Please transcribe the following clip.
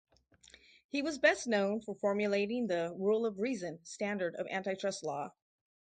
He was best known for formulating the "Rule of Reason" standard of antitrust law.